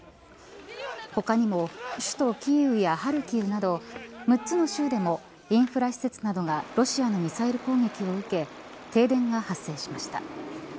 他にも首都キーウやハルキウなど、６つの州でもインフラ施設などがロシアのミサイル攻撃を受け停電が発生しました。